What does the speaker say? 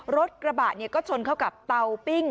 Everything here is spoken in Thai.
รถกระบะก็ชนเข้ากับเตาปิ้ง